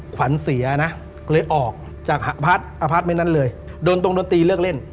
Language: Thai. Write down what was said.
ขวัญเสียนะเลยออกจากอพาร์ทไม่นั้นเลยโดนตรงดนตรีเลือกเล่น